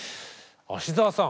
芦澤さん。